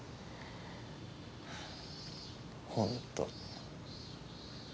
本当。